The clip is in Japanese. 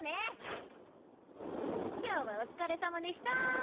今日はお疲れさまでした。